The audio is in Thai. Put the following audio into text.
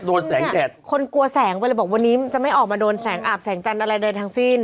โดนแสงแดดคนกลัวแสงไปเลยบอกวันนี้จะไม่ออกมาโดนแสงอาบแสงจันทร์อะไรใดทั้งสิ้น